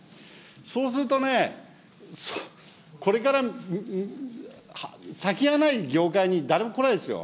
そうするとね、これから先がない業界に誰も来ないですよ。